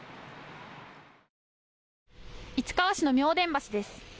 市川市の妙典橋です。